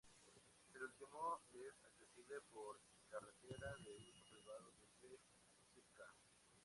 Este último es accesible por carretera de uso privado desde Sitka.